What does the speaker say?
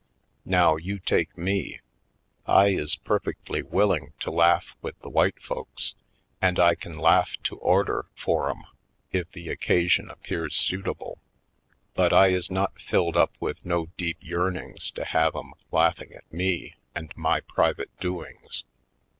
Now, you take me. I is perfectly will ing to laugh with the white folks and I can laugh to order for 'em, if the occasion ap pears suitable, but I is not filled up with no deep yearnings to have 'em laughing at me Dark Secrets 117 and my private doings.